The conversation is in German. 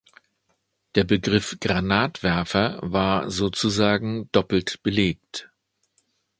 Der Begriff Granatwerfer war sozusagen doppelt belegt.